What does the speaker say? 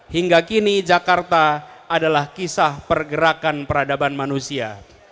hingga kini jakarta adalah kisah pergerakan peradaban manusia